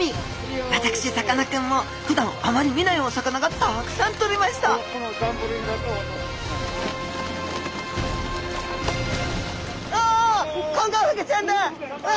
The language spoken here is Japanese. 私さかなクンもふだんあまり見ないお魚がたくさん取れましたうわ